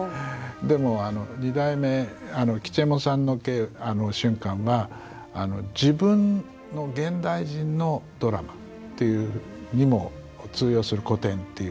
でもあの二代目吉右衛門さんの「俊寛」は自分の現代人のドラマというにも通用する古典っていう。